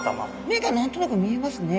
目が何となく見えますね。